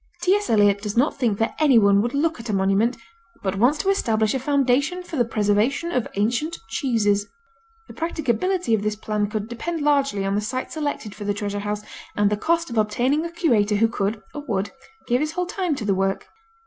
T.S. Eliot does not think that anyone would look at a monument, but wants to establish a Foundation for the Preservation of Ancient Cheeses. The practicability of this plan would depend largely on the site selected for the treasure house and the cost of obtaining a curator who could, or would, give his whole time to the work.